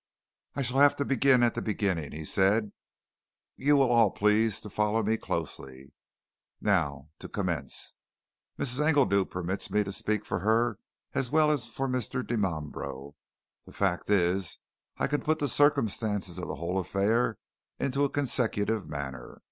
"I shall have to begin at the beginning," he said. "You'll all please to follow me closely. Now, to commence Mrs. Engledew permits me to speak for her as well as for Mr. Dimambro. The fact is, I can put the circumstances of the whole affair into a consecutive manner.